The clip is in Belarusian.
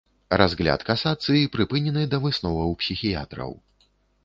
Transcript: Разгляд касацыі прыпынены да высноваў псіхіятраў.